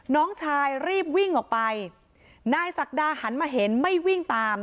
น้องชายรีบวิ่งออกไปนายศักดาหันมาเห็นไม่วิ่งตาม